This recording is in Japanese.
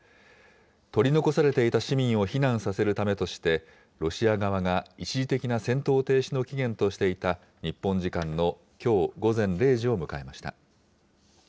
取り残されていた市民を避難させるためとして、ロシア側が一時的な戦闘停止の期限としていた日本時間のきょう午前０時を迎えました。